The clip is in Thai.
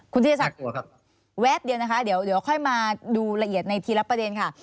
คุณธิศักดิ์แวบเดียวนะคะเดี๋ยวค่อยมาดูละเอียดในทีละประเด็นค่ะ